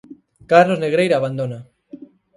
Carlos Negreira abandona.